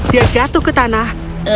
dia jatuh ke tanah